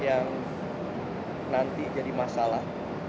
yang nanti jadi masalah